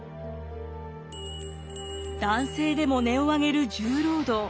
男性でも音を上げる重労働。